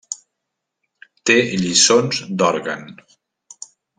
Té lliçons d'òrgan.